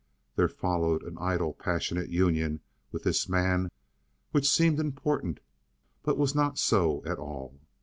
There followed an idle, passionate union with this man, which seemed important, but was not so at all.